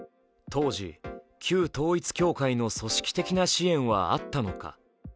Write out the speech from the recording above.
当時、旧統一教会の組織的な支援はあったのか。